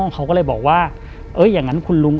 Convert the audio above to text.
เขาก็เลยบอกว่าอย่างนั้นคุณลุง